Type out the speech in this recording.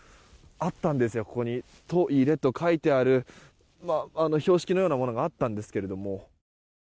あったんですよ、ここにトイレと書いてある標識のようなものがあったんですけども。